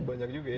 banyak juga ya